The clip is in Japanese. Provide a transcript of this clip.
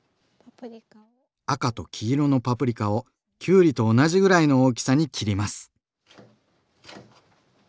赤と黄色のパプリカをきゅうりと同じぐらいの大きさに切ります。